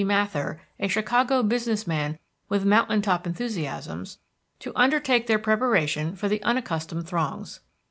Mather, a Chicago business man with mountain top enthusiasms, to undertake their preparation for the unaccustomed throngs.